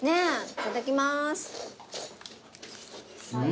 いただきます。